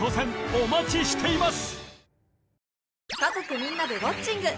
お待ちしています